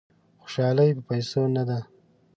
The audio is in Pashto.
خوشالي په پیسو نه ده.